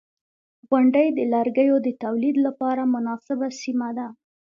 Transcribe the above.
• غونډۍ د لرګیو د تولید لپاره مناسبه سیمه ده.